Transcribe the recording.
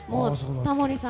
タモリさん